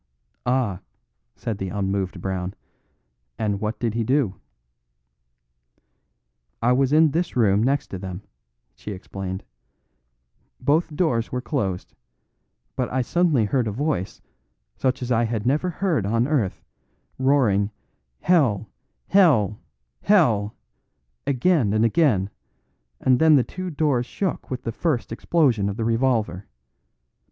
"Ah!" said the unmoved Brown, "and what did he do?" "I was in this room next to them," she explained; "both doors were closed, but I suddenly heard a voice, such as I had never heard on earth, roaring 'Hell, hell, hell,' again and again, and then the two doors shook with the first explosion of the revolver.